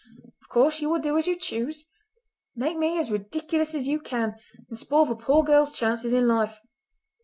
Of course you will do as you choose. Make me as ridiculous as you can, and spoil the poor girls' chances in life.